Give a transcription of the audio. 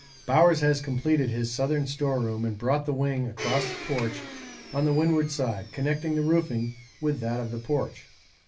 Bowers has completed his southern storeroom and brought the wing across the porch on the windward side, connecting the roofing with that of the porch.